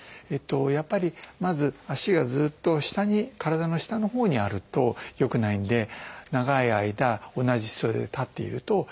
やっぱりまず足がずっと下に体の下のほうにあるとよくないんで長い間同じ姿勢で立っているとよくない。